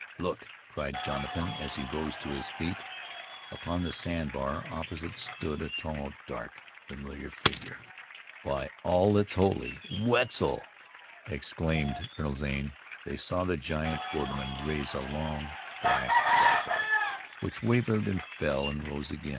"Look!" cried Jonathan as he rose to his feet. Upon the sand bar opposite stood a tall, dark, familiar figure. "By all that's holy, Wetzel!" exclaimed Colonel Zane. They saw the giant borderman raise a long, black rifle, which wavered and fell, and rose again.